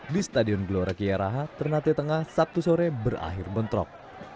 di stadion gelora kiaraa ternate tengah sabtu sore berakhir bentrok